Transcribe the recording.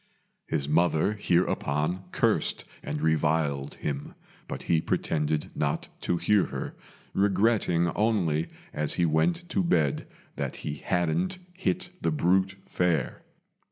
His mother hereupon cursed and reviled him, but he pretended not to hear her, regretting only as he went to bed that he hadn't hit the brute fair.